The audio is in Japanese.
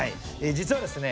実はですね